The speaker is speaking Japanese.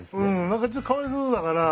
何かちょっとかわいそうだから。